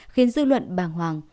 khiến dư luận bàng hoàng